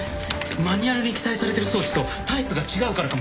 マニュアルに記載されてる装置とタイプが違うからかもしれません。